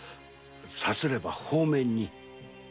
さすれば放免に。